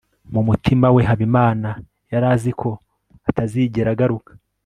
mu mutima we, habimana yari azi ko atazigera agaruka